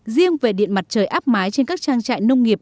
riêng về điện mặt trời áp mái trên các trang trại nông nghiệp